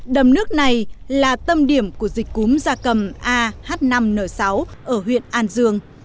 đầm nước này là tâm điểm của dịch cúm gia cầm ah năm n sáu ở huyện an dương